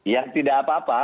ya tidak apa apa